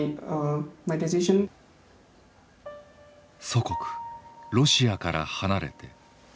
祖国ロシアから離れて。